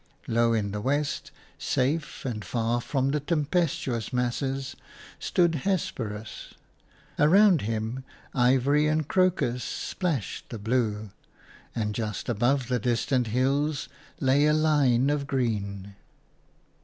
Low in the west, safe and far from the tempestuous masses, stood Hesperus; around him, ivory and crocus splashed the blue, and just above the distant hills lay a line of green.